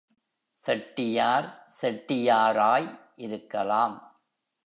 செட்டியார் செட்டியாராய் இருக்கலாம்.